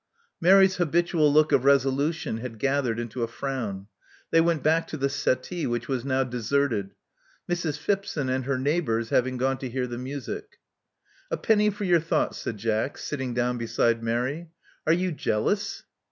Mary's habitual look of resolution had gathered into a frown. They went back to the settee, which was now deserted: Mrs. Phipson and her neighbors having gone to hear the music. " *'A penny for your thoughts," said Jack, sitting down beside Mary. Are you jealous?"